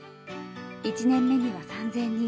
１年目には３０００人。